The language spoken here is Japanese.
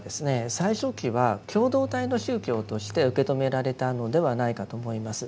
最初期は共同体の宗教として受け止められたのではないかと思います。